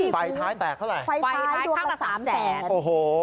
ฝ่ายท้ายแตกเท่าไหร่ฝ่ายท้ายตรงละ๓แสนโอ้โห